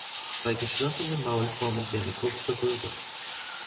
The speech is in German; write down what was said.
Bei geschlossenem Maul formen sie eine kurze Röhre.